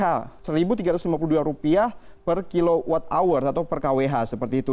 jadi ini adalah seribu tiga ratus lima puluh dua rupiah per kilowatt hour atau per kwh seperti itu